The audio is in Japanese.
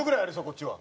こっちは。